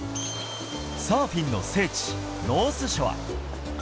サーフィンの聖地、ノースショア。